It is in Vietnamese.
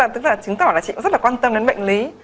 tức là chứng tỏ là chị cũng rất là quan tâm đến bệnh lý